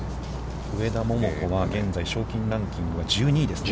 上田桃子は現在賞金ランキングは１２位ですね。